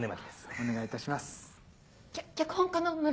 お願いいたします。